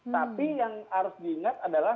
tapi yang harus diingat adalah